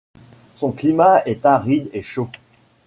Son climat est aride et chaud.